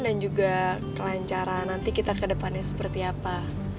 dan juga kelancaran nanti kita ke depannya seperti apa